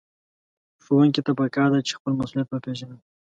ښوونکي ته پکار ده چې خپل مسؤليت وپېژني.